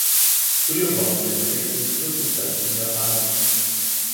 Früher waren seine Texte größtenteils in japanisch.